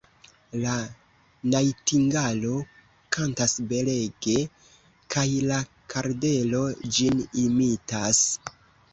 La najtingalo kantas belege, kaj la kardelo ĝin imitas.